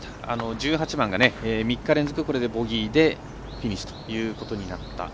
１８番が３日連続ボギーでフィニッシュということになった。